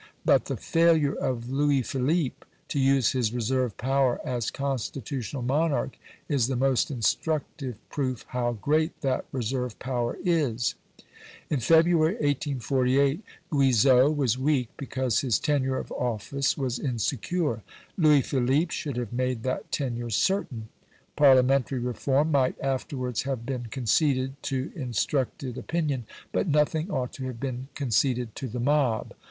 But the failure of Louis Philippe to use his reserve power as constitutional monarch is the most instructive proof how great that reserve power is. In February, 1848, Guizot was weak because his tenure of office was insecure. Louis Philippe should have made that tenure certain. Parliamentary reform might afterwards have been conceded to instructed opinion, but nothing ought to have been conceded to the mob.